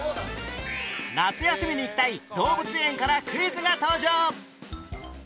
夏休みに行きたい動物園からクイズが登場